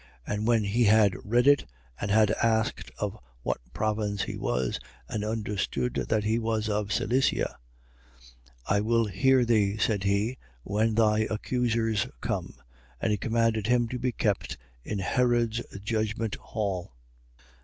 23:34. And when he had read it and had asked of what province he was and understood that he was of Cilicia: 23:35. I will hear thee, said he, when thy accusers come. And he commanded him to be kept in Herod's judgment hall.